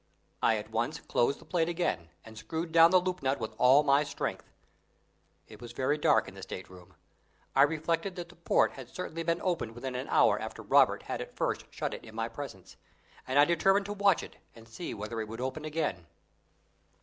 I at once closed the plate again, and screwed down the loop nut with all my strength. It was very dark in the state room. I reflected that the port had certainly been opened within an hour after Robert had at first shut it in my presence, and I determined to watch it, and see whether it would open again.